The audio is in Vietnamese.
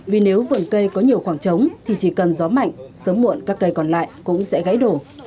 vì nếu vườn cây có nhiều khoảng trống thì chỉ cần gió mạnh sớm muộn các cây còn lại cũng sẽ gãy đổ